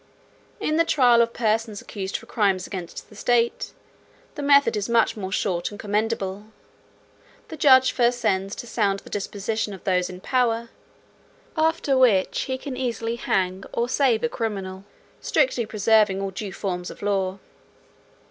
"In the trial of persons accused for crimes against the state, the method is much more short and commendable: the judge first sends to sound the disposition of those in power, after which he can easily hang or save a criminal, strictly preserving all due forms of law."